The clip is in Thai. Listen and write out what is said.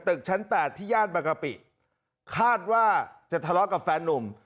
ตึกชั้น๘ที่ย่านบางกะปิคาดว่าจะทะเลาะกับแฟนนุ่ม